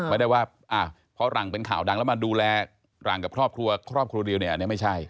ไม่ได้ว่าพอหลังเป็นข่าวดังแล้วมาดูแลหลังกับครอบครัวครอบครัวเดียวเนี่ยอันนี้ไม่ใช่